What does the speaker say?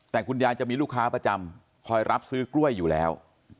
แต่คุณยายจะมีลูกค้าประจำคอยรับซื้อกล้วยอยู่แล้ว